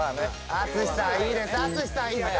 淳さんいいです淳さんいいです。